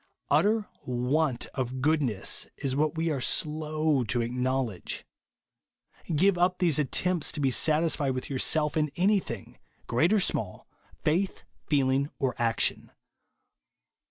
Utter want of goodness is Avhat we are slow to acknowledge. Give up these attempts to be satisfied with yourself in anything, great or small, faith, feeling, or action.